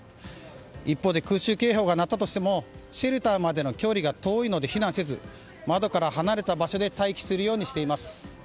一方で空襲警報が鳴ったとしてもシェルターまでの距離が遠いので避難せず、窓から離れた場所で待機するようにしています。